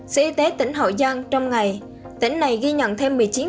sở y tế tỉnh hậu giang trong ngày tỉnh này ghi nhận thêm một mươi ca dân tính